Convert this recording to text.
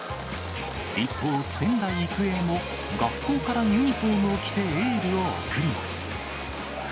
一方、仙台育英も学校からユニホームを着てエールを送ります。